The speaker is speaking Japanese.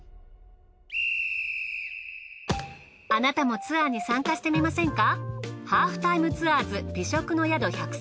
あなたもツアーに参加してみませんか。